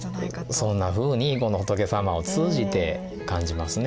そんなふうにこの仏様を通じて感じますね。